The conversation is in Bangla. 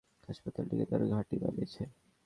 তাই আবু উসমান এই হাসপাতালটিকে তার ঘাঁটি বানিয়েছে।